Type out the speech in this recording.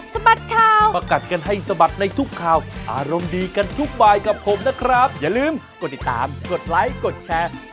สวัสดีค่ะสวัสดีค่ะ